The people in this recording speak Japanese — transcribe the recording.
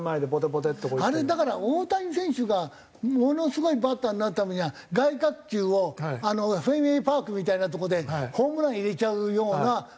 あれだから大谷選手がものすごいバッターになるためには外角球をフェンウェイパークみたいなとこでホームラン入れちゃうようなバッティングができたら。